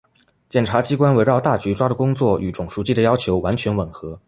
检察机关围绕大局抓的工作与总书记的要求完全吻合